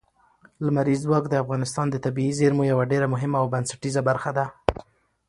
لمریز ځواک د افغانستان د طبیعي زیرمو یوه ډېره مهمه او بنسټیزه برخه ده.